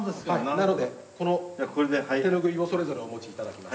なのでこの手拭いをそれぞれお持ちいただきます。